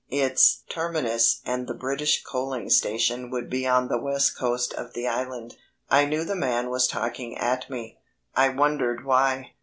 Its terminus and the British coaling station would be on the west coast of the island.... I knew the man was talking at me I wondered why.